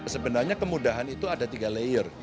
sebenarnya kemudahan itu ada tiga layer